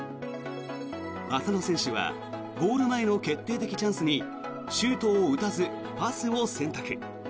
浅野選手はゴール前の決定的チャンスにシュートを打たずパスを選択。